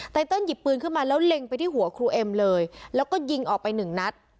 เติลหยิบปืนขึ้นมาแล้วเล็งไปที่หัวครูเอ็มเลยแล้วก็ยิงออกไปหนึ่งนัด